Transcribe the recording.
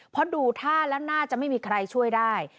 เพราะดูท่าแล้วน่าจะไม่มีใครช่วยได้